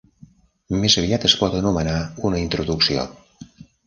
Més aviat es pot anomenar una introducció.